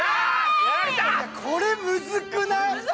これ、むずくない？